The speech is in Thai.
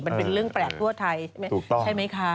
มันเป็นเรื่องแปลกทั่วไทยใช่ไหมคะ